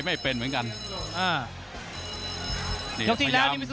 โหโหโหโหโหโหโหโห